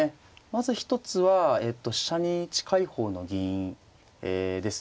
まず一つは飛車に近い方の銀ですね。